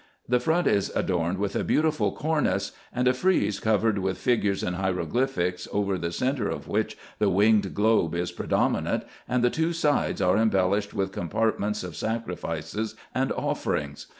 The front is adorned with a beautiful cornice, and a frieze covered with figures and hieroglyphics, over the centre of which the winged globe is predominant, and the two sides are embellished with compartments of sacrifices and offer ings.